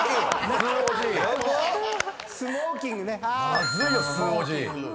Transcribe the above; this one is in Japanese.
まずいよスーおじ。